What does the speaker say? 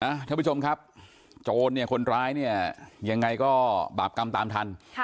ท่านผู้ชมครับโจรคนร้ายยังไงก็บาปกรรมตามทัน